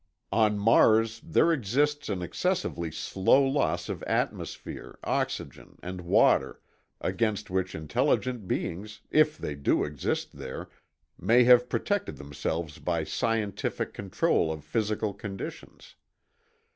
On Mars, there exists an excessively slow loss of atmosphere, oxygen and water, against which intelligent beings, if they do exist there, may have protected themselves by scientific control of physical conditions.